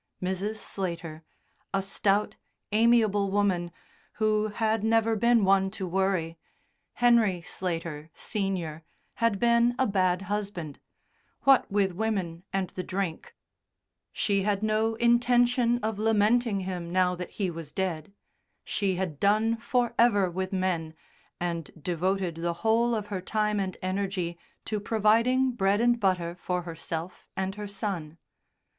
Mrs. Slater, a stout, amiable woman, who had never been one to worry; Henry Slater, Senior, had been a bad husband, "what with women and the drink" she had no intention of lamenting him now that he was dead; she had done for ever with men, and devoted the whole of her time and energy to providing bread and butter for herself and her son.